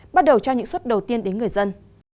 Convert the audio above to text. bắt đầu trao những suất đầu tiên đến người dân